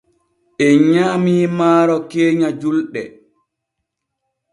En nyaamii maaro keenya julɗe.